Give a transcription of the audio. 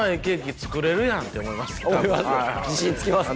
自信つきますか？